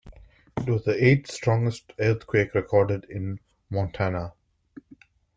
It was the eighth-strongest earthquake recorded in Montana.